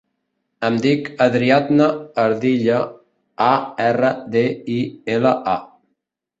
Em dic Ariadna Ardila: a, erra, de, i, ela, a.